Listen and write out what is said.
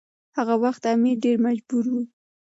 هغه وخت امیر ډیر مجبور و.